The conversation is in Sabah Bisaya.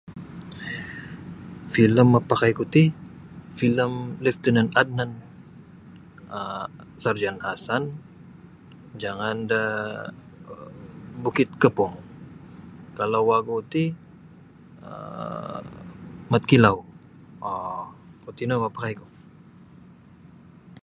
Filem mapakai ku ti filem Leftenan Adnan, um Sarjan Hassan jangan da Bukit Kepong kalau wagu ti um Mat Kilau oo' kuwo tino mapakai ku.